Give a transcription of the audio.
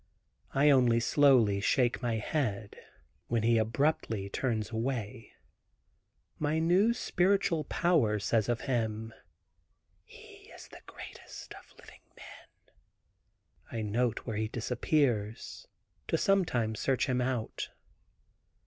I only slowly shake my head, when he abruptly turns away. My new spiritual power says of him, "He is the greatest of living men." I note where he disappears to sometime search him out.